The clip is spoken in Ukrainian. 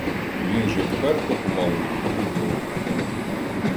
Він же вперто помалу крутить головою.